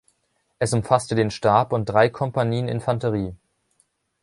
Es umfasste den Stab und drei Kompanien Infanterie.